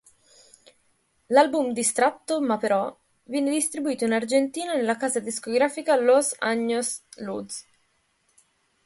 L'album "Distratto ma però" viene distribuito in Argentina dalla casa discografica Los Años Luz.